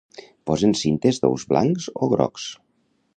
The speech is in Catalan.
Posen cintes d'ous blancs o grocs.